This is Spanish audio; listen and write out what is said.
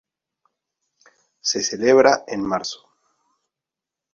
Se celebra en marzo.